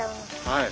はい。